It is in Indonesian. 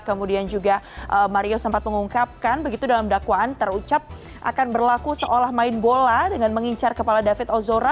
kemudian juga mario sempat mengungkapkan begitu dalam dakwaan terucap akan berlaku seolah main bola dengan mengincar kepala david ozora